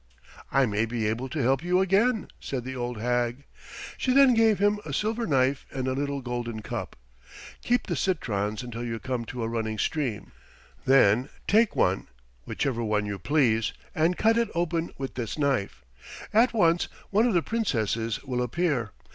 "I may be able to help you again," said the old hag. She then gave him a silver knife and a little golden cup. "Keep the citrons until you come to a running stream. Then take one, whichever one you please, and cut it open with this knife. At once one of the Princesses will appear.